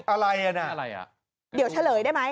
อะไรอ่ะน่ะ